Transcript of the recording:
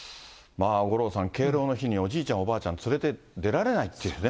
五郎さん、敬老の日に、おじいちゃん、おばあちゃん連れて出られないっていうね。